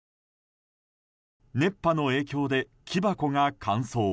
熱波の影響で木箱が乾燥。